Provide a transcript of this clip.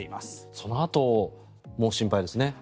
そのあとも心配ですね。